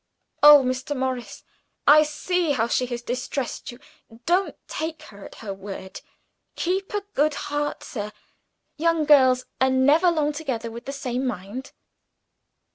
"Oh, Mr. Alban, I see how she has distressed you! Don't take her at her word. Keep a good heart, sir young girls are never long together of the same mind."